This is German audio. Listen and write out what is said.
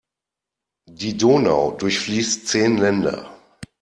Die Donau durchfließt zehn Länder.